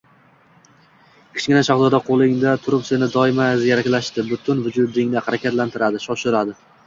Kichkina soat qo’lingda turib seni doimo ziyraklantiradi, butun vujudingni harakatlantiradi, shoshiradi